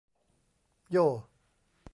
โย่